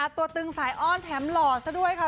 ตึงสายอ้อนแถมหล่อซะด้วยค่ะ